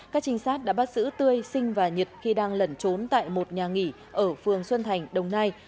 các trinh sát đã bắt giữ tươi sinh và nhật khi đang lẩn trốn tại một nhà nghỉ ở phường xuân thành đồng nai